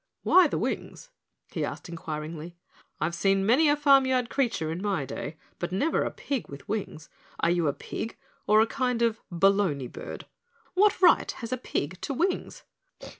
"Why the wings?" he asked inquiringly. "I've seen many a farmyard creature in my day, but never a pig with wings. Are you a pig or a kind of balony bird? What right has a pig to wings?"